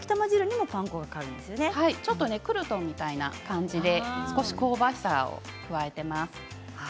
ちょっとクルトンみたいな感じで少し香ばしさを加えています。